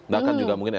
bahkan juga mungkin